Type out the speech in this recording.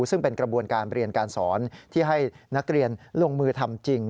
ซึ่งเป็นกระบวนการเรียนการสอนที่ให้นักเรียนลงมือทำจริง